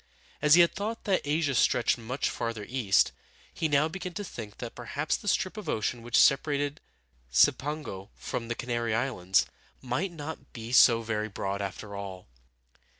As he thought that Asia stretched much farther east, he now began to think that perhaps the strip of ocean which separated Cipango from the Canary Islands might not be so very broad, after all.